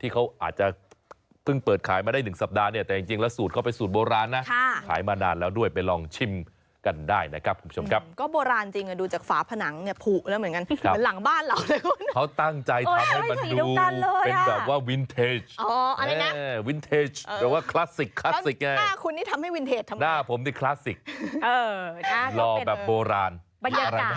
ที่เขาอาจจะเพิ่งเปิดขายมาได้๑สัปดาห์